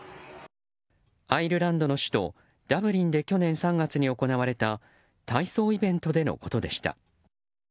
アイルランドの首都ダブリンで去年３月に行われた体操イベントでのことでした。